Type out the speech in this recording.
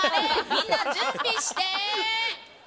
みんな準備して。